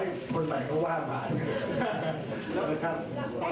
ก็จะต้องรอให้คนใหม่เขาว่าไป